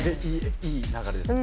いい流れ。